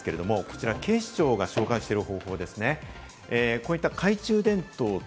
あかりなんですけれども、警視庁が紹介している方法です。